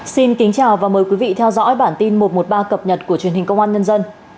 xin kính chào và mời quý vị theo dõi bản tin một trăm một mươi ba cập nhật của truyền hình công an nhân dân